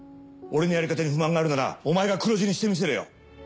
俺のやり方に不満があるならお前が黒字にしてみせろよ。